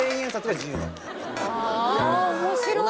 面白い！